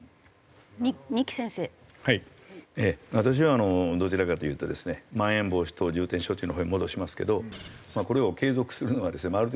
私はどちらかというとですねまん延防止等重点措置のほうへ戻しますけどこれを継続するのはですね